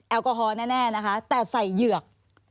แอลกอฮอล์แน่แต่ใส่ยื่อก